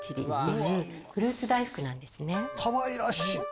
かわいらしい。